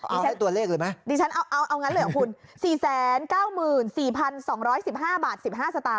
เอาให้ตัวเลขเลยมั้ยดิฉันเอาเอางั้นเลยหรอคุณสี่แสนเก้าหมื่นสี่พันสองร้อยสิบห้าบาทสิบห้าสตางค์